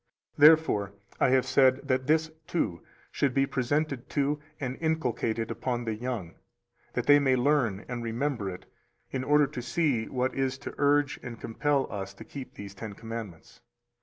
Therefore I have said that this, too, should be presented to and inculcated upon the young, that they may learn and remember it, in order to see what is to urge and compel us to keep these Ten Commandments.